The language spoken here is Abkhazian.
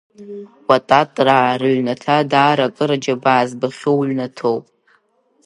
Кәататраа рыҩнаҭа даара акыр аџьабаа збахьоу ҩнаҭоуп.